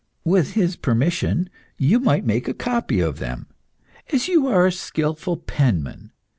With his permission, you might make a copy of them, as you are a skilful penman.